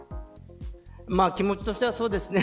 気持ちとしてはそうですね。